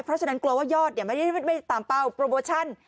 เพราะฉะนั้นกลัวว่ายอดไม่ได้ตามเป้าโปรโมชั่น